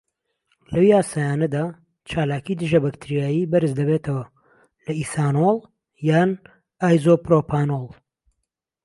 لەو یاسایانەدا، چالاکی دژەبەکتریایی بەرزدەبێتەوە لە ئیثانۆڵ یان ئایزۆپڕۆپانۆڵ.